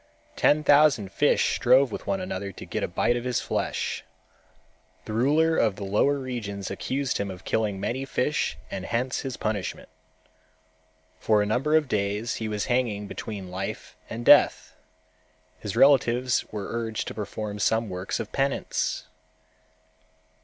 Ten thousand fish strove with one another to get a bite of his flesh. The ruler of the lower regions accused him of killing many fish and hence his punishment. For a number of days he was hanging between life and death. His relatives were urged to perform some works of penance.